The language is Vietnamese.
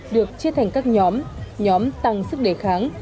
được chia thành các nhóm nhóm tăng sức đề kháng